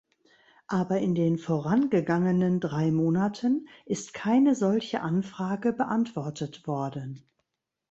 Aber in den vorangegangenen drei Monaten ist keine solche Anfrage beantwortet worden.